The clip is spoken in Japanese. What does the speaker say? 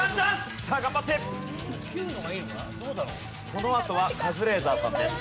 このあとはカズレーザーさんです。